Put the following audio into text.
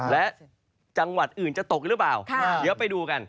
และจังหวัดอื่นจะตกหรือเปล่าเดี๋ยวไปดูกัน